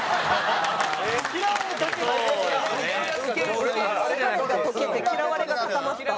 「好かれ」が溶けて「嫌われ」が固まった。